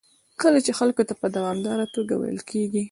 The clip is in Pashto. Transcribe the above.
کله چې خلکو ته په دوامداره توګه ویل کېږي